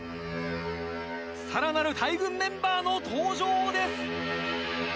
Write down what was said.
さらなる大群メンバーの登場です